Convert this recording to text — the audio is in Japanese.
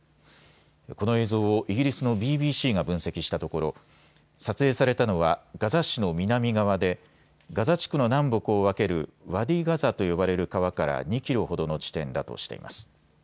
この映像をイギリスのＢＢＣが分析したところ、撮影されたのはガザ市の南側でガザ地区の南北を分けるワディ・ガザと呼ばれる川から２キロほどの地点だとしています。